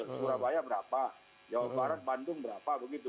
surabaya berapa jawa barat bandung berapa begitu